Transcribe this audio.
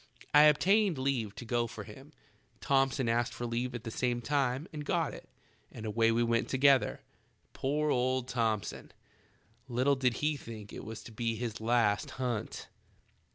I obtained leave to go for him ; Thomson asked for leave at the same time and go it, and away we went together. Poor old Thomson ! Little did he think it was to be his last hunt.